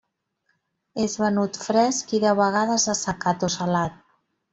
És venut fresc i, de vegades, assecat o salat.